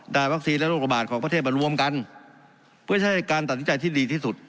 วัคซีนและโรคระบาดของประเทศมารวมกันเพื่อใช้การตัดสินใจที่ดีที่สุด